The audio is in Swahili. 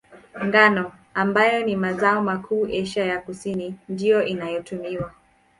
Ngano, ambayo ni mazao makuu Asia ya Kusini, ndiyo inayotumiwa.